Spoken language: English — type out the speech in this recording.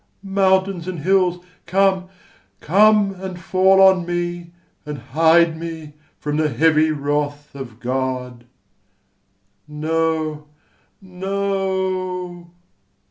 Mountains and hills, come, come, and fall on me, And hide me from the heavy wrath of God! No, no!